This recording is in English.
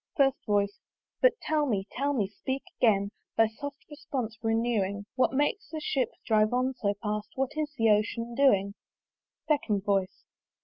FIRST VOICE. "But tell me, tell me! speak again, "Thy soft response renewing "What makes that ship drive on so fast? "What is the Ocean doing?" SECOND VOICE.